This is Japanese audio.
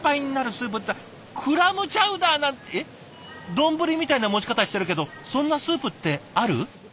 丼みたいな持ち方してるけどそんなスープってある？